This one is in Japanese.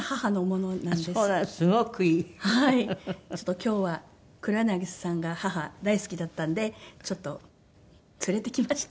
今日は黒柳さんが母大好きだったんでちょっと連れてきました。